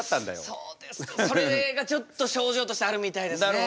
そうですかそれがちょっと症状としてあるみたいですね。